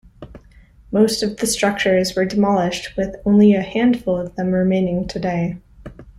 Most of the structures were demolished with only a handful of them remaining today.